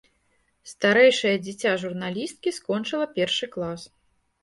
Старэйшае дзіця журналісткі скончыла першы клас.